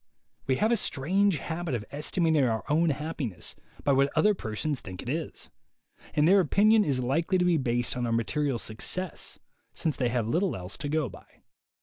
We have a strange habit of estimating our own happiness by what other persons think it is; and their opinion is likely to be based on our material success, since they have little else to go by.